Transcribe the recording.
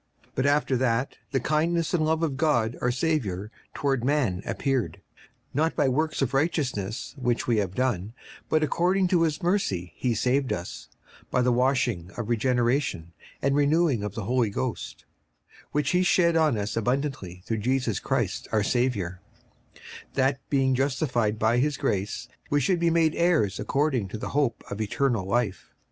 56:003:004 But after that the kindness and love of God our Saviour toward man appeared, 56:003:005 Not by works of righteousness which we have done, but according to his mercy he saved us, by the washing of regeneration, and renewing of the Holy Ghost; 56:003:006 Which he shed on us abundantly through Jesus Christ our Saviour; 56:003:007 That being justified by his grace, we should be made heirs according to the hope of eternal life.